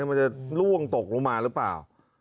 มันจะล่วงตกลงมาหรือเปล่า